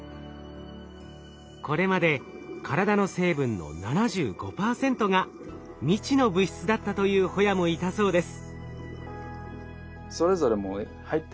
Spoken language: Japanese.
これまで体の成分の７５％が未知の物質だったというホヤもいたそうです。